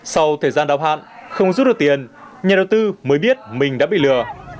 sau thời gian đọc hạn không rút được tiền nhà đầu tư mới biết mình đã bị lừa